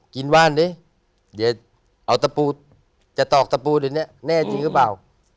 ว่านดิเดี๋ยวเอาตะปูจะตอกตะปูเดี๋ยวนี้แน่จริงหรือเปล่า